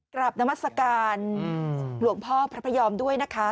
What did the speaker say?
นามัศกาลหลวงพ่อพระพยอมด้วยนะคะ